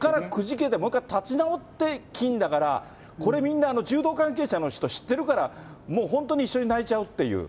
ここから立ち直って金だから、これみんな柔道関係者の方知ってるから、もう本当に一緒に泣いちゃうという。